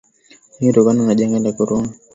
lakini kutokana na janga la Corona